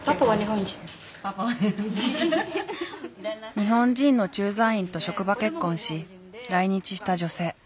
日本人の駐在員と職場結婚し来日した女性。